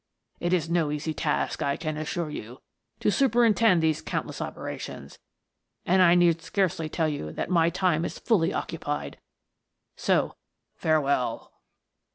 It is no easy task, I can assure you, to superintend these count less operations, and I need scarcely tell you that my time is fully occupied so, farewell